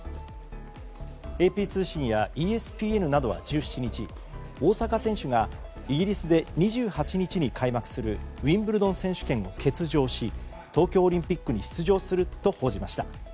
ＡＰ通信やＥＳＰＮなどは１７日、大坂選手がイギリスで２８日に開幕するウィンブルドン選手権に欠場し東京オリンピックに出場すると報じました。